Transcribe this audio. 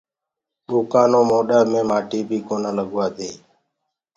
ڍآٽو موڏآ مي مآٽيٚ بي ڪونآ لگوآ دي۔